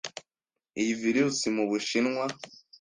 iyi virus mu Bushinwa